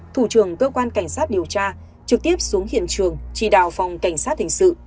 thủ trưởng cơ quan cảnh sát điều tra trực tiếp xuống hiện trường chỉ đạo phòng cảnh sát hình sự